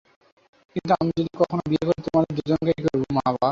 কিন্তু আমি যদি কখনো বিয়ে করি তোমাদের দুজনকেই করবো।